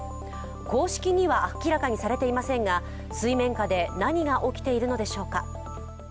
公式には明らかにされていませんが、水面下で何が起きているのでしょうか。